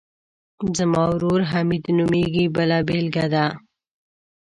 زما ورور حمید نومیږي بله بېلګه ده.